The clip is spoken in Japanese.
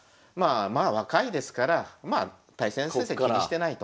まあ若いですからまあ対戦成績気にしてないと。